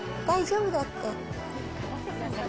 大丈夫だって。